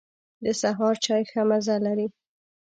د سهار چای ښه مزه لري.